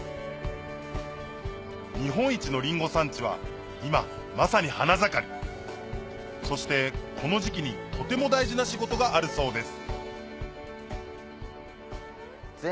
日本一のりんご産地は今まさに花盛りそしてこの時期にとても大事な仕事があるそうです